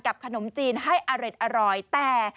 กับขนมจีนให้อเล็ดอร่อยแต่